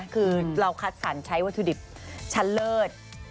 คือเราคัดสรรใช้วัตถุดิบชั้นเลิศ